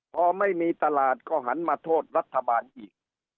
พอไม่มีตลาดก็หันมาโทษรัฐบาลอีก